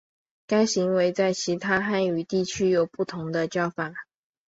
该行为在其他汉语地区有不同的叫法。